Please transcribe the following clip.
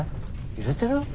ゆれてる？